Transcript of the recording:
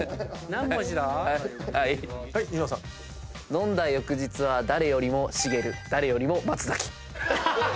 飲んだ翌日は誰よりもしげる誰よりも松崎。